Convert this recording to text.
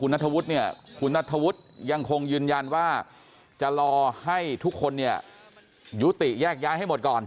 ว่าตรงคุณณธวรรษก็คงยืนยันว่าจะรอให้ทุกคนยูติแยกย้ายให้หมดก่อน